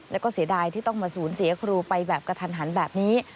แล้วก็เสียดายที่ต้องมาสูญเสียครูไปแบบกระทันหันแบบนี้